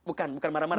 bukan bukan marah marah